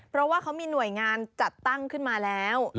เพราะว่าเขามีหน่วยงานจัดตั้งขึ้นมาแล้ว